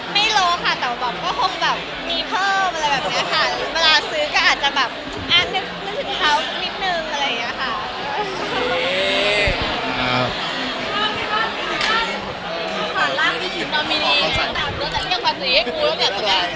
ไม่รู้ค่ะแต่มีแบบนี่เพิ่มแบบนี้ค่ะ